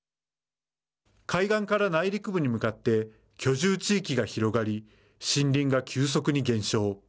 海岸から内陸部に向かって居住地域が広がり森林が急速に減少。